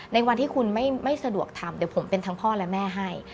ในวันที่คุณไม่สะดวกทำเดี๋ยวผมเป็นทั้งพ่อและแม่ให้